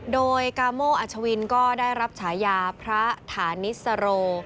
โดยกาโมอัชวินก็ได้รับฉายาพระฐานิสโร